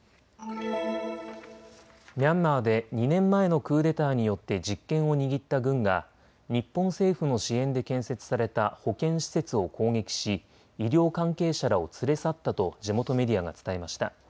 ミャンマーで２年前のクーデターによって実権を握った軍が日本政府の支援で建設された保健施設を攻撃し医療関係者らを連れ去ったと地元メディアが伝えました。